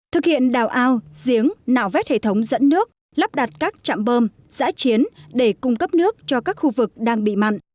thực hiện đào ao giếng nạo vét hệ thống dẫn nước lắp đặt các trạm bơm giã chiến để cung cấp nước cho các khu vực đang bị mặn